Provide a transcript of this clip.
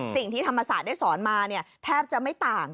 สิ่งที่ธรรมศาสตร์ได้สอนมาแทบจะไม่ต่าง